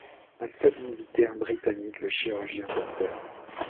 Un seul militaire britannique, le chirurgien Dr.